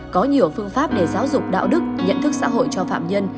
có nhiều phương pháp để giáo dục đạo đức nhận thức xã hội cho phạm nhân